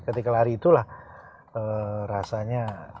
ketika lari itulah rasanya